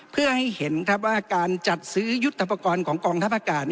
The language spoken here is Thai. เพื่อให้เห็นว่าการจัดซื้อยุทธปกรณ์ของกองทัพอากาศ